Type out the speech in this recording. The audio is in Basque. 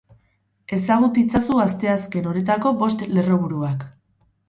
Ezagut itzazu asteazken honetako bost lerroburuak.